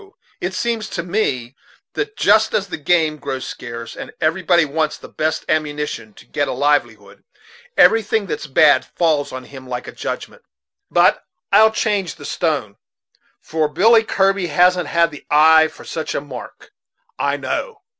it seems to me that just as the game grows scarce, and a body wants the best ammunition to get a livelihood, everything that's bad falls on him like a judgment. But I'll change the stone, for Billy Kirby hasn't the eye for such a mark, I know."